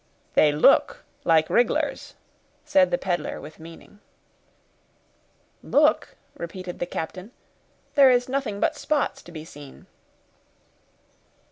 "They look like rig'lars," said the peddler, with meaning. "Look!" repeated the captain, "there is nothing but spots to be seen."